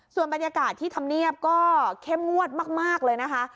ส่วนบรรยากาศที่ธรรมเนียบก็เข้มงวดมากเลยนะคะ